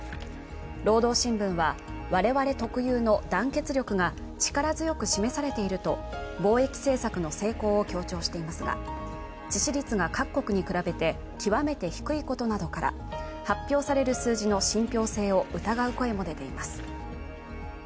「労働新聞」は、我々特有の団結力が力強く示されていると防疫政策の成功を強調していますが致死率が各国に比べて極めて低いことなどから、発表される数字の信ぴょう性を疑う声も出ています。